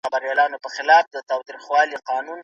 باور د بدلون لامل کېږي.